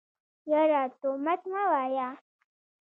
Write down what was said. يره تومت مه وايه.